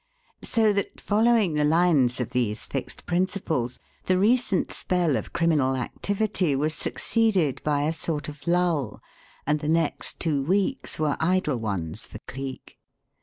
So that following the lines of these fixed principles the recent spell of criminal activity was succeeded by a sort of lull, and the next two weeks were idle ones for Cleek.